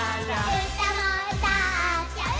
「うたもうたっちゃう」